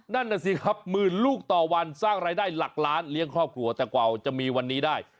นั่นน่ะสิครับหมื่นลูกต่อวันสร้างรายได้หลักล้านเลี้ยงครอบครัวแต่กว่าจะมีวันนี้ได้